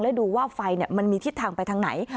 และดูว่าไฟมันมีทิศทางไปทางไหน